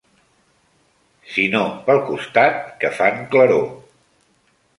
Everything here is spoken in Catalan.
...sinó pel costat que fan claror